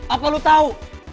apa lu tau